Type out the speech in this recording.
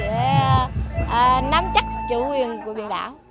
để nắm chắc chủ quyền của biển đảo